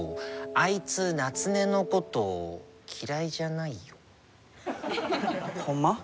あいつナツネのこと嫌いじゃないよ。ほんま？